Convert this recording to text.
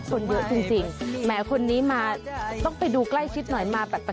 คนเยอะจริงแม้คนนี้มาต้องไปดูใกล้ชิดหน่อย